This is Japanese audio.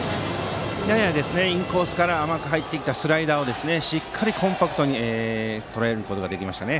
ややインコースから甘く入ってきたスライダーをしっかりコンパクトにとらえましたね。